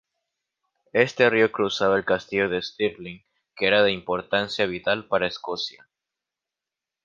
Este río cruzaba el Castillo de Stirling, que era de importancia vital para Escocia.